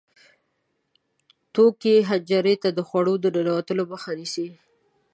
توکې حنجرې ته د خوړو د ننوتو مخه نیسي.